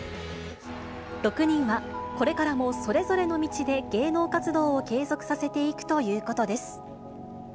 ６人は、これからもそれぞれの道で芸能活動を継続させていくということです。